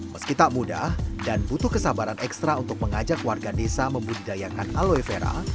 meski tak mudah dan butuh kesabaran ekstra untuk mengajak warga desa membudidayakan aloe vera